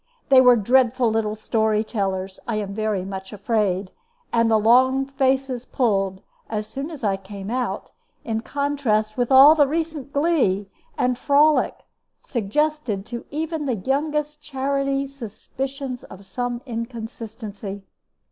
They were dreadful little story tellers, I am very much afraid; and the long faces pulled, as soon as I came out, in contrast with all the recent glee and frolic, suggested to even the youngest charity suspicions of some inconsistency.